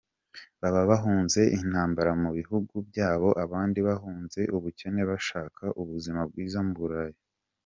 Baba bahunze intambara mu bihugu byabo abandi bahunze ubukene bashaka ubuzima bwiza mu Burayi.